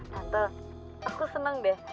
tante aku seneng deh